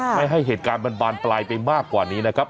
ไม่ให้เหตุการณ์มันบานปลายไปมากกว่านี้นะครับ